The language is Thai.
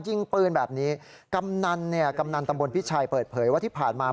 ยิงปืนแบบนี้กำนันตำบลพิชชัยเปิดเผยว่าที่ผ่านมา